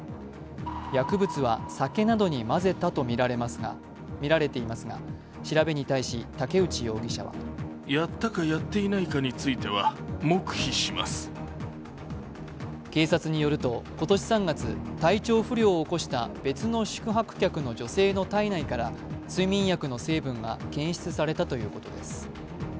薬物は酒などに混ぜたとみられていますが調べに対し武内容疑者は警察によると今年３月、体調不良を起こした別の宿泊客の女性の体内から睡眠薬の成分が検出されたということです。